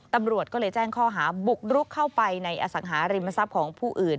ตำรวจก็เลยแจ้งข้อหาบุกรุกเข้าไปในอสังหาริมทรัพย์ของผู้อื่น